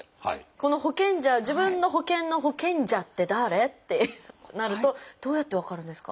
この保険者自分の保険の保険者って誰？ってなるとどうやって分かるんですか？